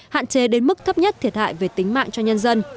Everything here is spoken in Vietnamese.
hạn chế đến mức thấp nhất thiệt hại về tính mạng cho nhân dân